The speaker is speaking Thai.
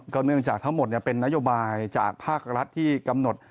เนื่องจากทั้งหมดเป็นนโยบายจากภาครัฐที่กำหนด